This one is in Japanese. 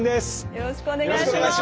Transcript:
よろしくお願いします。